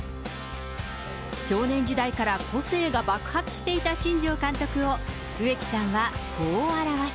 少年時代から個性が爆発していた新庄監督を、植木さんはこう表す。